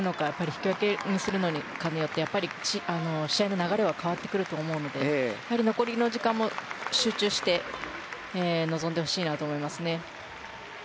引き分けにするのかによって試合の流れは変わってくると思うので残りの時間も集中して臨んでほしいなと思いますね。